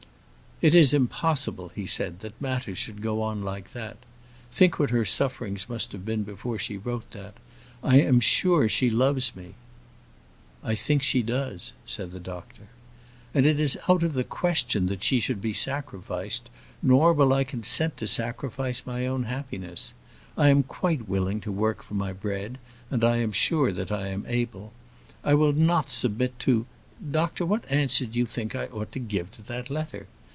"It is impossible," he said, "that matters should go on like that. Think what her sufferings must have been before she wrote that. I am sure she loves me." "I think she does," said the doctor. "And it is out of the question that she should be sacrificed; nor will I consent to sacrifice my own happiness. I am quite willing to work for my bread, and I am sure that I am able. I will not submit to Doctor, what answer do you think I ought to give to that letter?